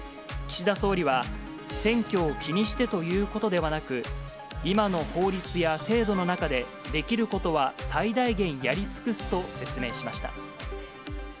岸田総理は、選挙を気にしてということではなく、今の法律や制度の中でできることは最大限やり尽くすと説明しました。